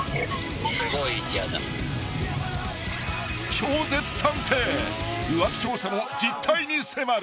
［超絶探偵浮気調査の実態に迫る］